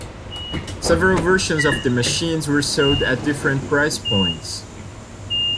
Several versions of the machines were sold at different price points.